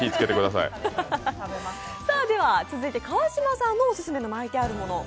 それでは川島さんのオススメの巻いてあるもの。